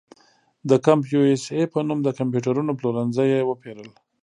د کمپ یو اس اې په نوم د کمپیوټرونو پلورنځي یې وپېرل.